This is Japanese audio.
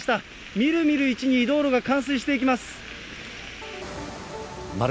みるみるうちに道路が冠水していきます。